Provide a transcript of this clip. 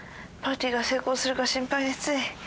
パーティーが成功するか心配でつい。